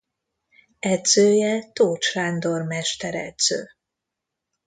Edzője Tóth Sándor mesteredző.